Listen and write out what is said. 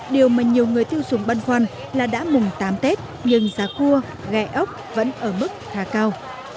điều mà nhiều người tiêu dùng băn khoăn là đã mùng tám tết nhưng giá cua gẹ ốc vẫn ở mức khá cao